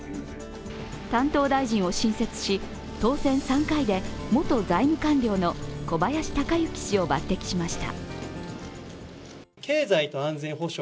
担当大臣を新設し、当選３回で元財務官僚の小林鷹之氏を抜てきしました。